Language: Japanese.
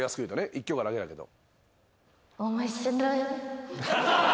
１教科だけだけど。